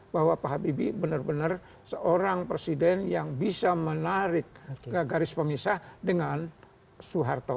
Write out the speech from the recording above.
bahwa pak habibie benar benar seorang presiden yang bisa menarik garis pemisah dengan soeharto